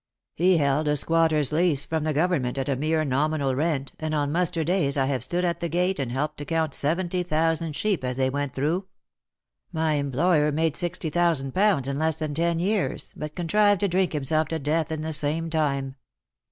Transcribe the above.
He held a squatter's lease from the government at a mere nominal rent, and on muster days I have stood at the gate and helped to count seventy thousand sheep as they went through. My employer made sixty thousand pounds in less than ten years, but con trived to drink himself to death in the same time.